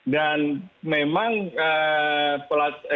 dan memang pelajaran yang kita lakukan